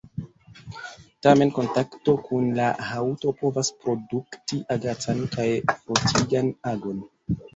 Tamen kontakto kun la haŭto povas produkti agacan kaj frotigan agon.